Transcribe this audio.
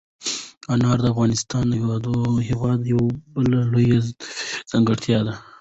انار د افغانستان هېواد یوه بله لویه طبیعي ځانګړتیا ده.